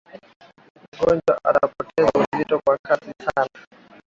mgonjwa atapoteza uzito kwa kasi sana